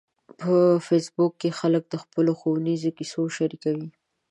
په فېسبوک کې خلک د خپلو ښوونیزو کیسو شریکوي